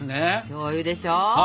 しょうゆでしょ！